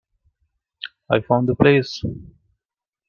I found the place.